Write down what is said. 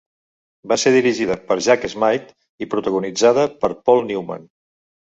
Va ser dirigida per Jack Smight i protagonitzada per Paul Newman.